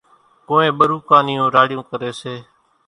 ڪونئين ٻروڪان نِيوُن راڙِيوُن ڪريَ سي۔